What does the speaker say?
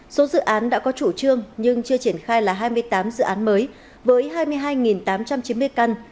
số dự án đã có chủ trương nhưng chưa triển khai là hai mươi tám dự án mới với hai mươi hai tám trăm chín mươi căn